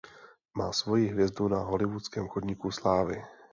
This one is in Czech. Má svoji hvězdu na hollywoodském chodníku slávy.